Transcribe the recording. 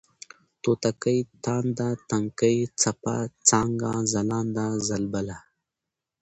توتکۍ ، تانده ، تنکۍ ، څپه ، څانگه ، ځلانده ، ځلبله